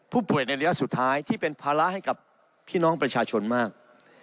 ผู้ป่วยในระยะสุดท้ายที่เป็นภาระให้กับพี่น้องประชาชนมาก